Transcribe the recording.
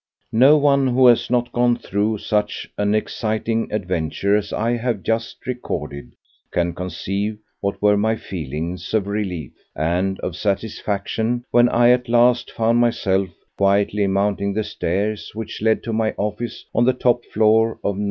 No one who has not gone through such an exciting adventure as I have just recorded can conceive what were my feelings of relief and of satisfaction when I at last found myself quietly mounting the stairs which led to my office on the top floor of No.